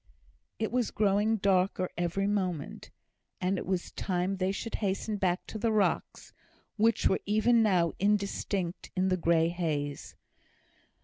It was growing darker every moment, and it was time they should hasten back to the rocks, which were even now indistinct in the grey haze.